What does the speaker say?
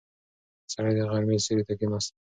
سړی د غرمې سیوري ته کیناست.